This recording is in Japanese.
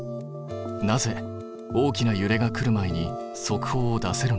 なぜ大きなゆれが来る前に速報を出せるのか？